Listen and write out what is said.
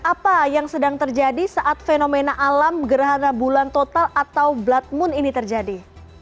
apa yang sedang terjadi saat fenomena alam gerhana bulan total atau blood moon ini terjadi